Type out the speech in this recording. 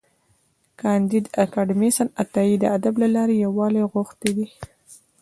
کانديد اکاډميسن عطایي د ادب له لارې یووالی غوښتی دی.